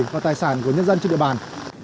và tài sản của nhân dân trên địa bàn